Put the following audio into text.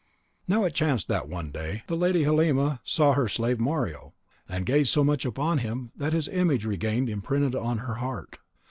Now it chanced that one day the lady Halima saw her slave Mario, and gazed so much upon him that his image regained printed on her heart.